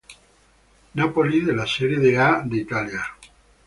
Napoli de la Serie A de Italia.